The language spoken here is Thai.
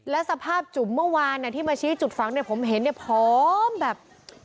และสภาพจุ๋มเมื่อวานที่มาชี้จุดฝังเนี่ยผมเห็นเนี่ยพร้อมแบบ